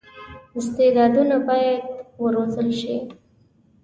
استعدادونه باید وروزل شي.